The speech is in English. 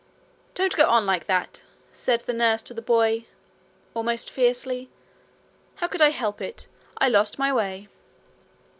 'Don't go on like that,' said the nurse to the boy, almost fiercely. 'How could I help it? I lost my way.'